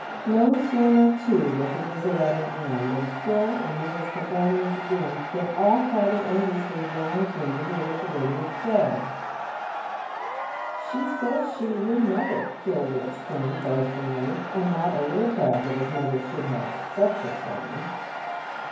No sooner, too, was the visit at an end, and Phil among his com panions again, than all crowded enviously round him, to hear what the lady had said, " She says she knew mother," Phil would exclaim, boastingly, and not a little proud that his mother should have had such a friend.